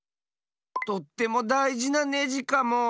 とってもだいじなネジかも。